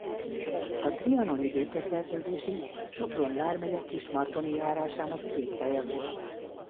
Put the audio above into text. A trianoni békeszerződésig Sopron vármegye Kismartoni járásának székhelye volt.